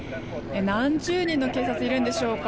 何十人の警察がいるのでしょうか。